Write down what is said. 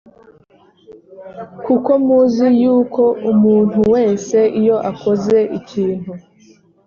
kuko muzi yuko umuntu wese iyo akoze ikintu